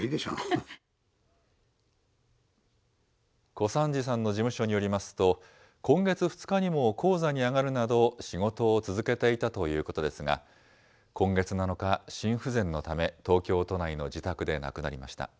小三治さんの事務所によりますと、今月２日にも高座に上がるなど、仕事を続けていたということですが、今月７日、心不全のため、東京都内の自宅で亡くなりました。